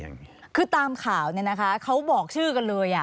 ในข่าวเนี่ยนะคะเขาบอกชื่อกันเลย